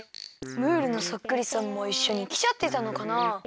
ムールのそっくりさんもいっしょにきちゃってたのかな？